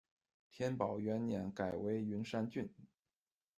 天宝元年改为云山郡。